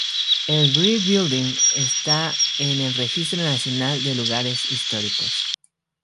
El Greer Building está en el Registro Nacional de Lugares Históricos.